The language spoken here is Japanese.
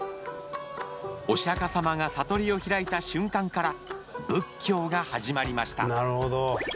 お釈迦様が悟りを開いた瞬間から仏教が始まりました。